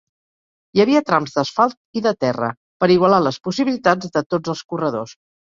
Hi havia trams d'asfalt i de terra, per igualar les possibilitats de tots els corredors.